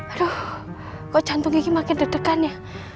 aduh kok jantung gigi makin deg degan ya